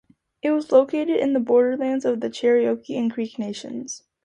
It was located in the borderlands of the Cherokee and Creek nations.